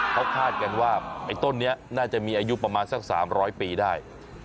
เขาคาดกันว่าไอ้ต้นนี้น่าจะมีอายุประมาณสัก๓๐๐ปีได้